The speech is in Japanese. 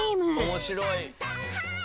面白い。